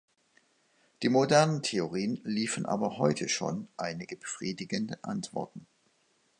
Die modernen Theorien liefern aber heute schon einige befriedigende Antworten.